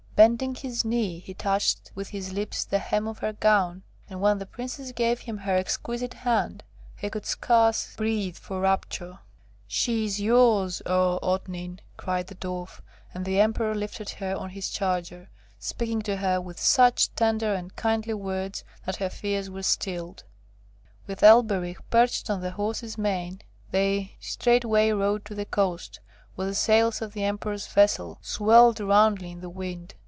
Bending his knee, he touched with his lips the hem of her gown, and when the Princess gave him her exquisite hand, he could scarce breathe for rapture. [Illustration: "'She is yours, O Otnit!' cried the Dwarf"] 'She is yours, O Otnit!' cried the Dwarf; and the Emperor lifted her on to his charger, speaking to her with such tender and kindly words that her fears were stilled. With Elberich perched on the horse's mane, they straightway rode to the coast, where the sails of the Emperor's vessel swelled roundly in the wind.